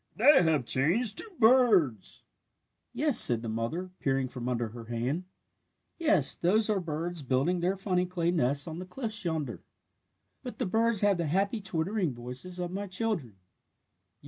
They have changed to birds!" "Yes," said the mother, peering from under her hand. "Yes, those are birds building their funny clay nests on the cliffs yonder. "But the birds have the happy twittering voices of my children.